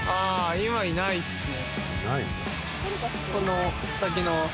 今はいないですね。